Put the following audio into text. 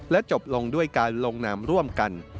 จบลงด้วยการลงนามร่วมกัน